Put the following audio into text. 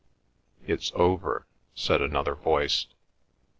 "It's over," said another voice.